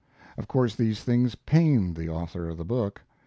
Of course these things pained the author of the book.